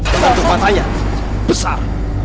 tempat tempat saya besar